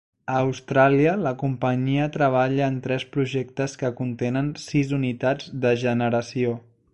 A Austràlia, la Companyia treballa en tres projectes que contenen sis unitats de generació.